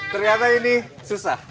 ternyata ini susah